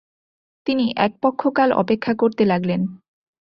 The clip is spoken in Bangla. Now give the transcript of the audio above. তিনি এক পক্ষকাল অপেক্ষা করতে লাগলেন।